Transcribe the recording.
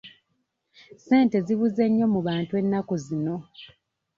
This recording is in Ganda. Ssente zibuze nnyo mu bantu ennaku zino.